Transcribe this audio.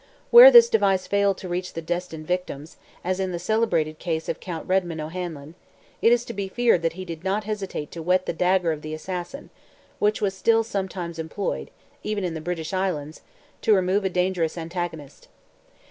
Where this device failed to reach the destined victims—as in the celebrated case of Count Redmond O'Hanlon—it is to be feared that he did not hesitate to whet the dagger of the assassin, which was still sometimes employed, even in the British Islands, to remove a dangerous antagonist.